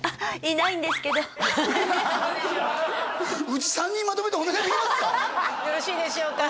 うちよろしいでしょうか？